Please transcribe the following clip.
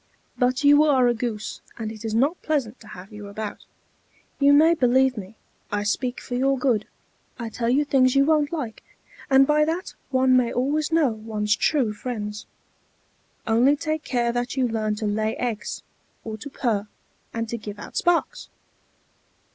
But you are a goose, and it is not pleasant to have you about. You may believe me, I speak for your good. I tell you things you won't like, and by that one may always know one's true friends! Only take care that you learn to lay eggs, or to purr, and to give out sparks!"